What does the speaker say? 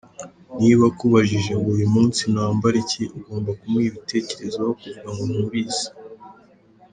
Niba akubajije ngo uyu munsi nambare iki ? Ugomba kumuha ibitekerezo aho kuvuga ngo ntubizi.